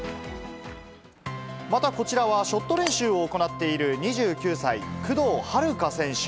また、こちらはショット練習を行っている２９歳、工藤遥加選手。